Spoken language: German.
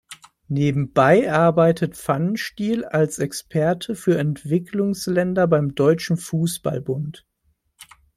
Nebenbei arbeitet Pfannenstiel als Experte für Entwicklungsländer beim Deutschen Fußball-Bund.